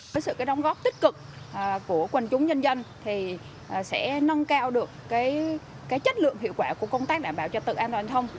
với sự đồng góp tích cực của quần chúng nhân dân sẽ nâng cao được chất lượng hiệu quả của công tác đảm bảo cho tự an toàn thông